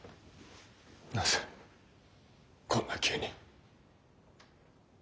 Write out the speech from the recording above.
なぜこんな急に。